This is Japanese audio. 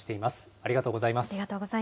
ありがとうございます。